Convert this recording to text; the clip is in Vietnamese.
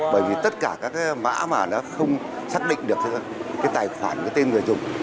bởi vì tất cả các mã mà nó không xác định được tài khoản tên người dùng